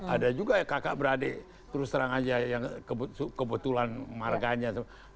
ada juga ya kakak beradik terus terang aja yang kebetulan marganya